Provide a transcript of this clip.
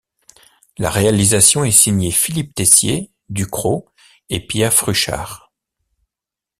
La réalisation est signée Philippe Teissier Du Cros et Pierre Fruchard.